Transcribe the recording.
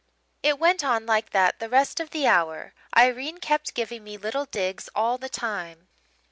"It went on like that the rest of the hour Irene kept giving me little digs all the time.